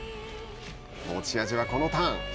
持ち味は、この「ターン」。